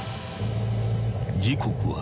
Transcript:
［時刻は］